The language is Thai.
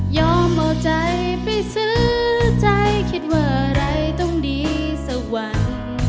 เอาใจไปซื้อใจคิดว่าอะไรต้องดีสักวัน